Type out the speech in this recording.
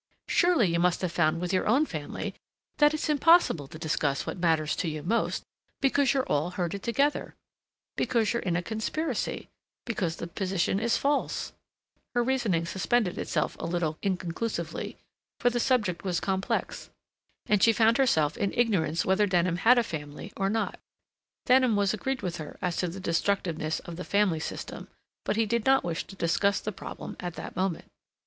Surely you must have found with your own family that it's impossible to discuss what matters to you most because you're all herded together, because you're in a conspiracy, because the position is false—" Her reasoning suspended itself a little inconclusively, for the subject was complex, and she found herself in ignorance whether Denham had a family or not. Denham was agreed with her as to the destructiveness of the family system, but he did not wish to discuss the problem at that moment.